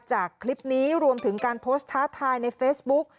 จากคลิปนี้รวมถึงการโพสต์ท้าทายในเฟซบุ๊ก